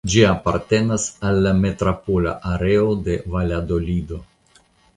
Ĝi apartenas al la Metropola Areo de Valadolido.